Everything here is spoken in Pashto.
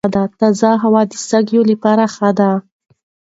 تازه هوا د سږو لپاره ښه ده.